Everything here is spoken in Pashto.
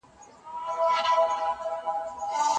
د نجونو لیلیه بې پوښتني نه منل کیږي.